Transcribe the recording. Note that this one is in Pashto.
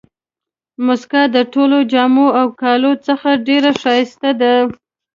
مسکا د ټولو جامو او کالیو څخه ډېره ښایسته ده.